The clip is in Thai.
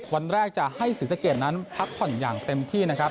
วันแรกจะให้ศรีสะเกดนั้นพักผ่อนอย่างเต็มที่นะครับ